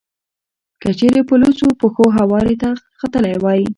که چېرې په لوڅو پښو هوارې ته ختلی وای.